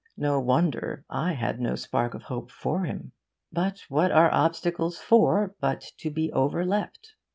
No wonder I had no spark of hope for him. But what are obstacles for but to be overleapt?